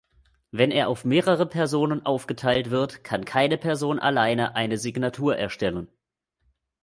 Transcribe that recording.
Wenn er auf mehrere Personen aufgeteilt wird, kann keine Person alleine eine Signatur erstellen.